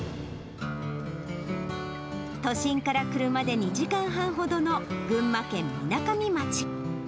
都心から車で２時間半ほどの群馬県みなかみ町。